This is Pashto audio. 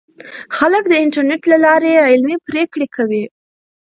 خلک د انټرنیټ له لارې علمي پریکړې کوي.